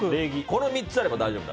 この３つあれば大丈夫。